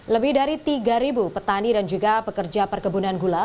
lebih dari tiga petani dan juga pekerja perkebunan gula